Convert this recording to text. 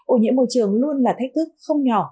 ổ nhiễm môi trường luôn là thách thức không nhỏ